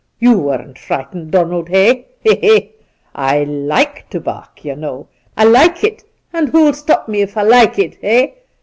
You weren't frightened, Donald, ehl He ! he ! I like to bark, ye know. I like it, and who'll stop me if I like it, eh?